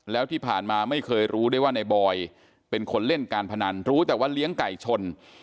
แล้วที่ผ่านมาไม่เคยรู้ได้ว่าในบอยเป็นคนเล่นการพนันรู้แต่ว่าเลี้ยงไก่ชน